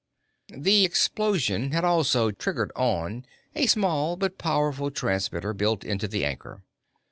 _ The explosion had also triggered on a small but powerful transmitter built into the anchor.